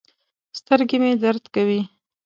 سترګې مې درد کوي